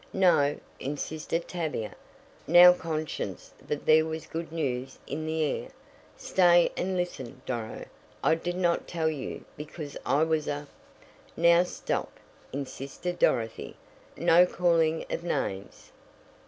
"No," insisted Tavia, now conscious that there was good news in the air. "Stay and listen, Doro. I did not tell you because I was a " "Now stop!" insisted Dorothy. "No calling of names."